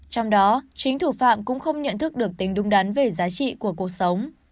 trong đó chính thủ phạm cũng không nhận thức được tính đúng đắn về giá trị của cuộc sống